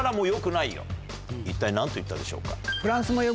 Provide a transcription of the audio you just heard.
一体何と言ったでしょうか？